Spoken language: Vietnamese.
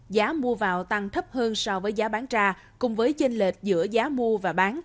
giá mua vào tăng thấp hơn so với giá bán ra cùng với chênh lệch giữa giá mua và bán